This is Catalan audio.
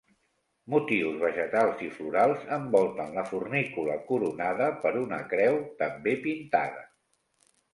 Motius vegetals i florals envolten la fornícula coronada per una creu també pintada.